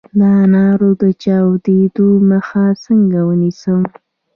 د انارو د چاودیدو مخه څنګه ونیسم؟